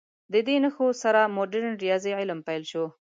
د دې نښو سره مډرن ریاضي علم پیل شو.